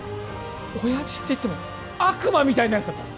親父っていっても悪魔みたいなやつだぞ